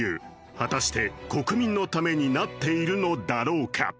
果たして国民のためになっているのだろうか？